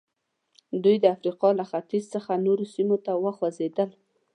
دوی د افریقا له ختیځ څخه نورو سیمو ته وخوځېدل.